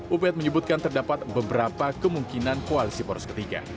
up menyebutkan terdapat beberapa kemungkinan koalisi poros ketiga